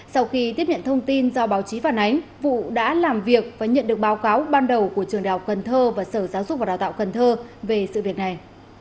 sau khi tiếp nhận thông tin do báo chí phản ánh vụ đã làm việc và nhận được báo cáo ban đầu của trường đại học cần thơ và sở giáo dục và đào tạo cần thơ về sự việc này